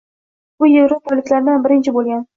U yevropaliklardan birinchi boʻlgan.